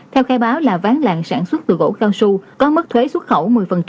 theo khai báo là ván lạng sản xuất từ gỗ cao su có mức thuế xuất khẩu một mươi